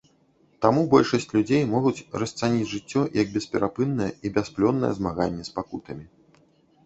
Таму большасць людзей могуць расцаніць жыццё як бесперапыннае і бясплённае змаганне з пакутамі.